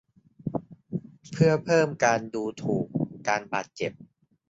เพื่อเพิ่มการดูถูกการบาดเจ็บ